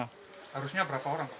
harusnya berapa orang